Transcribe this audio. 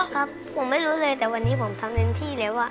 ครับผมไม่รู้เลยแต่วันนี้ผมทำเต็มที่แล้ว